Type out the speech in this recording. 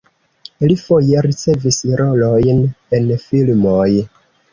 Li foje ricevis rolojn en filmoj.